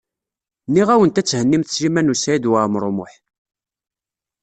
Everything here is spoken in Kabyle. Nniɣ-awent ad thennimt Sliman U Saɛid Waɛmaṛ U Muḥ.